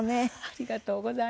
ありがとうございます。